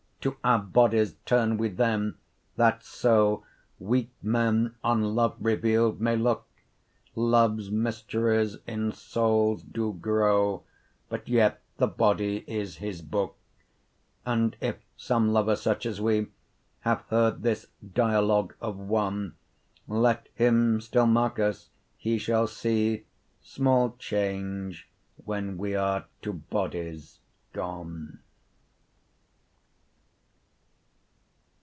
To'our bodies turne wee then, that so Weake men on love reveal'd may looke; 70 Loves mysteries in soules doe grow, But yet the body is his booke. And if some lover, such as wee, Have heard this dialogue of one, Let him still marke us, he shall see 75 Small change, when we'are to bodies gone.